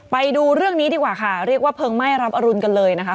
ไปดูเรื่องนี้ดีกว่าค่ะเรียกว่าเพลิงไหม้รับอรุณกันเลยนะคะ